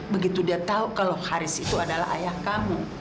begitu dia tahu kalau haris itu adalah ayah kamu